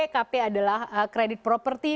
kp adalah kredit properti